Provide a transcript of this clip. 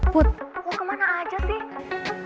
put lo kemana aja sih